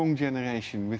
ada generasi muda yang baik